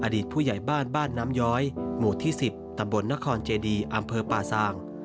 อดีตผู้ใหญ่บ้านบ้านน้ำย้อยหมู่ที่๑๐ตนขเจดีย์อปลาสางก์